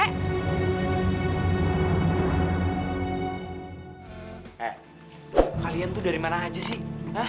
eh kalian tuh dari mana aja sih